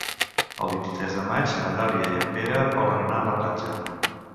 El vint-i-tres de maig na Dàlia i en Pere volen anar a la platja.